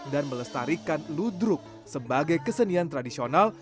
dan melestarikan ludruk sebagai kesenian tradisional